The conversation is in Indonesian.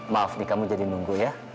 maaf nih kamu jadi nunggu ya